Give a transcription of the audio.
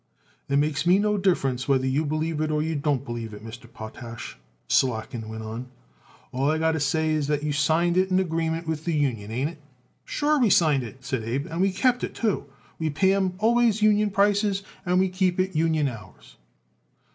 "It makes me no difference whether you believe it or you don't believe it, Mr. Potash," Slotkin went on. "All I got to say is that you signed it an agreement with the union; ain't it?" "Sure, we signed it," said Abe, "and we kept it, too. We pay 'em always union prices and we keep it union hours."